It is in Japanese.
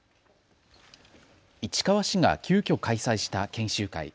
市川市が急きょ、開催した研修会。